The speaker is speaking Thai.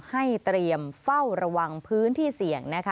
ให้เตรียมเฝ้าระวังพื้นที่เสี่ยงนะคะ